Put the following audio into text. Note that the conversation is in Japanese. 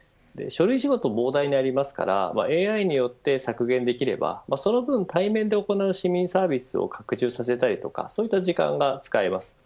仕事量が膨大にありますからＡＩによって削減できればその分、対面で行う市民サービスを拡充させたりとかそういった時間が使えます。